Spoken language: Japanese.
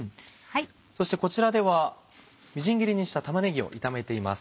そしてこちらではみじん切りにした玉ねぎを炒めています。